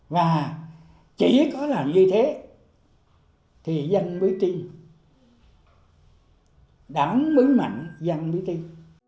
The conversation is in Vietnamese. và chỉ có làm như thế thì dân mới tin đảng mới mạnh dân mới tin